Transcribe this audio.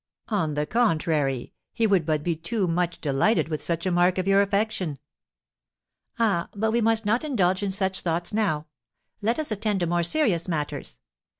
"On the contrary, he would but be too much delighted with such a mark of your affection." "Ah, but we must not indulge in such thoughts now; let us attend to more serious matters.